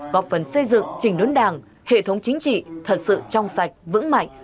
góp phần xây dựng trình đốn đảng hệ thống chính trị thật sự trong sạch vững mạnh